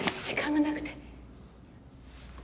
時間がなくて。